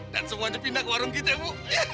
dan semuanya pindah ke warung kita bu